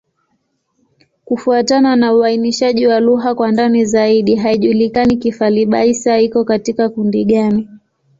Kufuatana na uainishaji wa lugha kwa ndani zaidi, haijulikani Kifali-Baissa iko katika kundi gani.